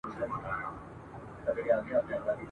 تاسي یې وګوری چي له هغه څخه څه راباسی !.